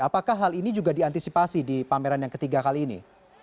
apakah hal ini juga diantisipasi di pameran yang ketiga kali ini